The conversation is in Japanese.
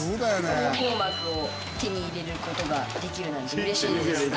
方向幕を手に入れることができるなんてうれしいです。